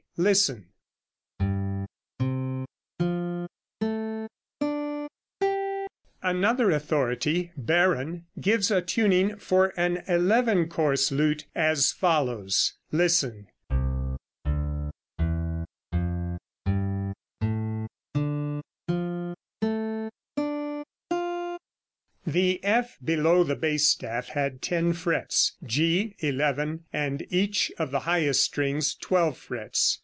[Music illustration] Another authority Baron gives a tuning for an "eleven course" lute, as follows: [Music illustration] The F below the bass staff had ten frets, G eleven, and each of the highest six strings twelve frets.